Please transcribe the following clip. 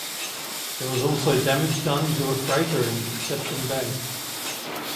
There was also damage done to a freighter in Conception Bay.